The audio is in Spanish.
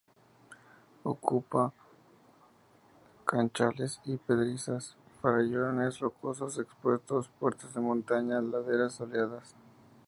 Ocupa canchales y pedrizas, farallones rocosos expuestos, puertos de montaña, laderas soleadas.